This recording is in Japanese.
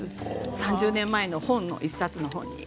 ３０年前の１冊の本に。